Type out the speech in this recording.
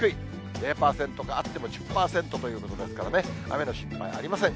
０％かあっても１０％ということですからね、雨の心配ありません。